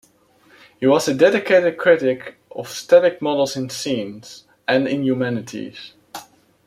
He is a dedicated critic of static models in science, and in the humanities.